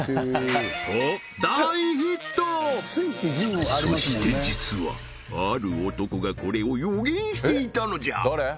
本そして実はある男がこれを予言していたのじゃ！